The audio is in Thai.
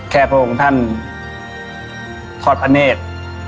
พระองค์ท่านทอดพระเนธ